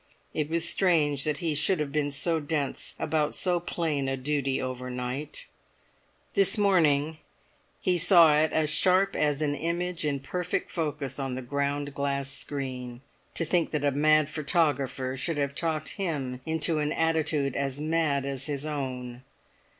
It was strange that he should have been so dense about so plain a duty overnight; this morning he saw it as sharp as an image in perfect focus on the ground glass screen…To think that a mad photographer should have talked him into an attitude as mad as his own!